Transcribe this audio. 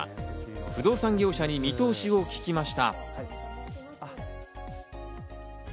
不動産業者に見通しを聞きました。